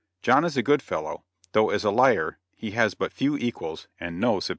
John is a good fellow, though as a liar he has but few equals and no superior.